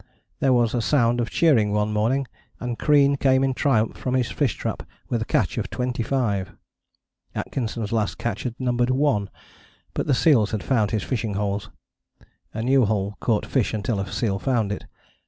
There was a sound of cheering one morning, and Crean came in triumph from his fish trap with a catch of 25. Atkinson's last catch had numbered one, but the seals had found his fishing holes: a new hole caught fish until a seal found it.